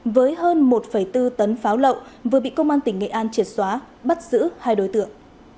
với hơn một bốn tấn pháo lậu vừa bị công an tỉnh nghệ an triệt xóa bắt giữ hai đối tượng